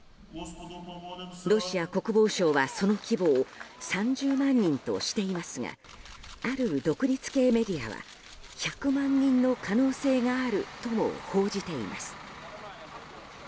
ロシア国防省は、その規模を３０万人としていますがある独立系メディアは１００万人の可能性があるとも報じています。